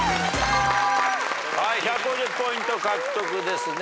１５０ポイント獲得ですね。